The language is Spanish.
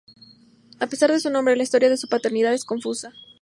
A pesar de su nombre, la historia de su paternidad es confusa.